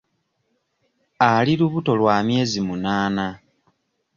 Ali lubuto lwa myezi munaana.